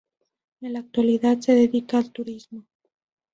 En la actualidad se dedica al turismo.